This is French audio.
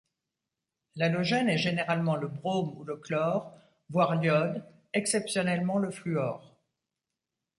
L'halogène est généralement le brome ou le chlore, voire l'iode, exceptionnellement le fluor.